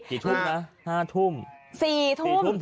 กี่ทุ่มนะ๕ทุ่ม๔ทุ่ม